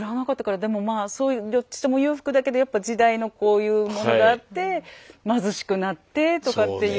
でもそういうどっちとも裕福だけどやっぱ時代のこういうものがあって貧しくなってとかっていう。